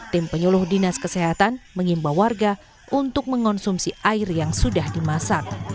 tim penyuluh dinas kesehatan mengimbau warga untuk mengonsumsi air yang sudah dimasak